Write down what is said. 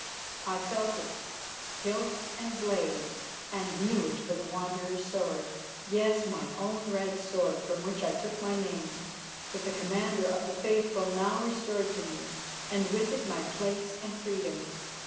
I felt it, hilt and blade, and knew it for the Wanderer's sword, yes, my own red sword from which I took my name, that the Commander of the Faithful now restored to me, and with it my place and freedom.